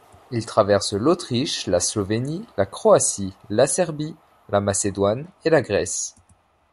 Il traverse l'Autriche, la Slovénie, la Croatie, la Serbie, la Macédoine et la Grèce.